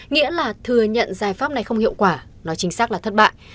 nghĩa là thừa nhận giải pháp này không hiệu quả nó chính xác là thất bại